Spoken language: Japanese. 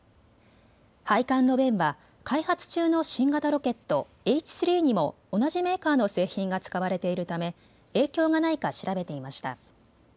配管の弁は開発中の新型ロケット、Ｈ３にも同じメーカーの製品が使われているため影響がないか調べていました。